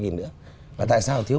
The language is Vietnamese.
ba mươi nghìn nữa và tại sao thiếu